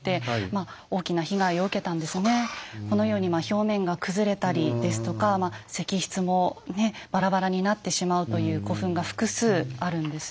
このように表面が崩れたりですとか石室もばらばらになってしまうという古墳が複数あるんです。